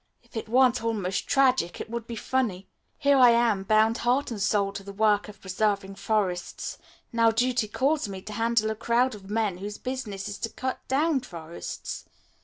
If it weren't almost tragic, it would be funny. Here I am bound heart and soul to the work of preserving forests. Now duty calls me to handle a crowd of men whose business it is to cut down forests.